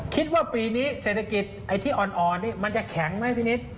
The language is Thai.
คิดว่าปีนี้เศรษฐกิจไอ้ที่อ่อนนี่มันจะแข็งไหมพี่นิด